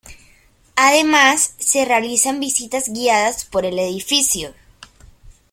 Además, se realizan visitas guiadas por el edificio.